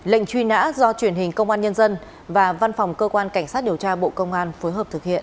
lệnh truy nã do truyền hình công an nhân dân và văn phòng cơ quan cảnh sát điều tra bộ công an phối hợp thực hiện